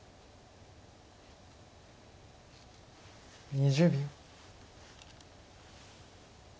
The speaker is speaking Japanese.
２０秒。